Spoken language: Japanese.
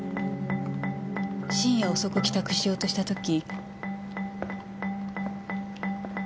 深夜遅く帰宅しようとした時。